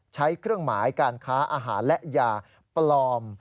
เครื่องหมายการค้าอาหารและยาปลอม